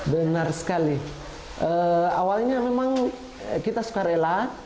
benar sekali awalnya memang kita suka rela